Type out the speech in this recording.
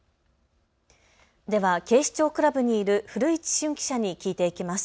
では警視庁クラブにいる古市駿記者に聞いていきます。